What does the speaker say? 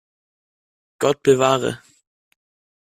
Gott bewahre!